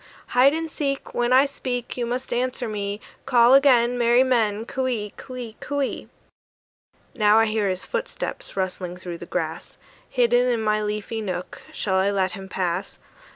"Hide and seek! "When I speak, "You must answer me: "Call again, "Merry men, "Coo ee, coo ee, coo ee!" Now I hear his footsteps, rustling through the grass: Hidden in my leafy nook, shall I let him pass?